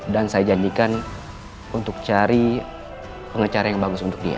dan saya janjikan untuk cari pengecara yang bagus untuk dia